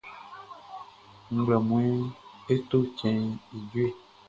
Nglɛmunʼn, e to cɛnʼn i jueʼn.